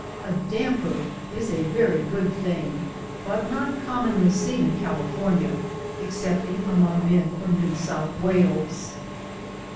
A damper is a very good thing, but not commonly seen in California, excepting among men from New South Wales.